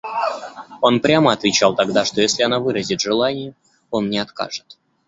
Он прямо отвечал тогда, что если она выразит желание, он не откажет.